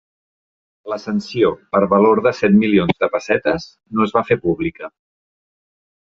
La sanció, per valor de set milions de pessetes, no es va fer pública.